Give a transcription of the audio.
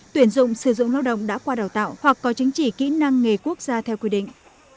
tuyển dụng sử dụng lao động đã qua đào tạo hoặc có chứng chỉ kỹ năng nghề quốc gia theo quy định